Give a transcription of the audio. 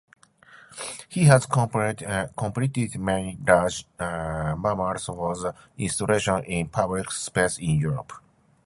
He has completed many large murals for installations in public space in Europe.